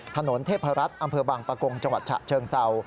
ถนนเทพรัฐอำเภอบางปะกงจังหวัดฉะเชิงเศร้า